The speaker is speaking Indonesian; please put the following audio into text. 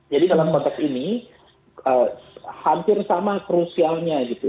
jadi dalam konteks ini hampir sama krusialnya gitu